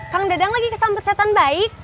kang dadang lagi kesampet setan baik